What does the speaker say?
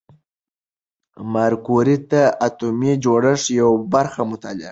ماري کوري د اتومي جوړښت یوه برخه مطالعه کړه.